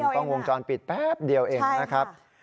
กล้องวงจรปิดแป๊บเดียวเองนะครับ